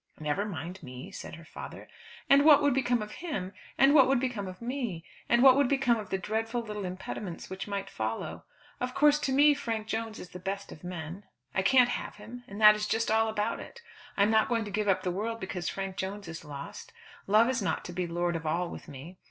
"Never mind me," said her father. "And what would become of him; and what would become of me? And what would become of the dreadful little impediments which might follow? Of course to me Frank Jones is the best of men. I can't have him; and that is just all about it. I am not going to give up the world because Frank Jones is lost. Love is not to be lord of all with me.